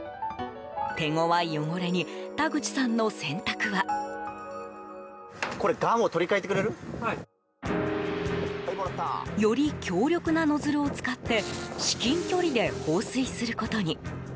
手ごわい汚れに田口さんの選択は。より強力なノズルを使って至近距離で放水することに。